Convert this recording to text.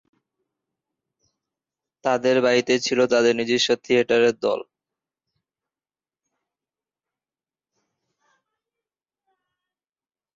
তাদের বাড়িতে ছিল তাদের নিজস্ব থিয়েটারের দল।